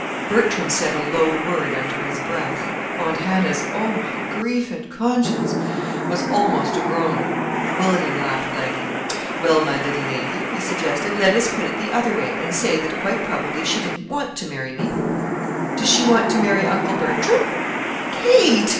Bertram said a low word under his breath. Aunt Hannah's "Oh, my grief and conscience!" was almost a groan. William laughed lightly. "Well, my little lady," he suggested, "let us put it the other way and say that quite probably she didn't want to marry me." "Does she want to marry Uncle Bertram?" "Kate!"